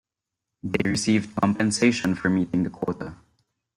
They received compensation for meeting the quota.